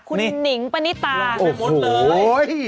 คุณนิงปนิตาช่วงหมดเลย